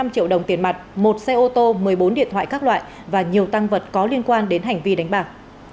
năm triệu đồng tiền mặt một xe ô tô một mươi bốn điện thoại các loại và nhiều tăng vật có liên quan đến hành vi đánh bạc